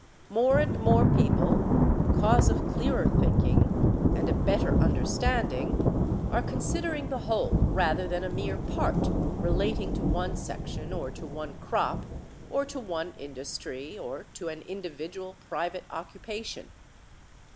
More and more people, because of clearer thinking and a better understanding, are considering the whole rather than a mere part relating to one section or to one crop, or to one industry, or to an individual private occupation.